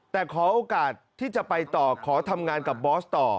แต่ขอโอกาสที่จะไปต่อขอทำงานกับบอสต่อ